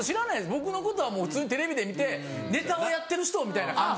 僕のことは普通にテレビで見てネタをやってる人みたいな感じ。